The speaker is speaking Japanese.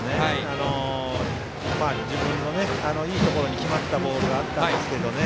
自分のいいところに決まったボールがあったんですけどね。